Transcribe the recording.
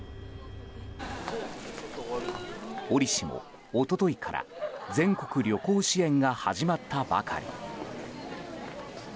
おりしも一昨日から全国旅行支援が始まったばかり。